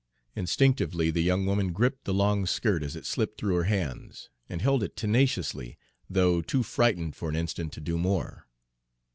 Instinctively the young woman gripped the long skirt as it slipped through her hands, and held it tenaciously, though too frightened for an instant to do more.